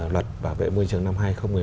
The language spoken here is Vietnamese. luật bảo vệ môi trường năm hai nghìn một mươi bốn